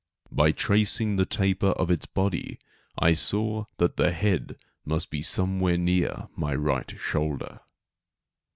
By tracing the taper of its body I saw that the head must be somewhere near my right shoulder.